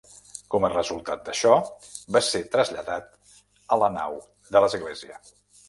Com a resultat d'això, va ser traslladat a la nau de l'església.